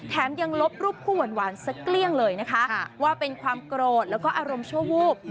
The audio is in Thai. แถมยังลบรูปคู่หวานสักเกลี้ยงเลยนะคะว่าเป็นความโกรธแล้วก็อารมณ์ชั่ววูบ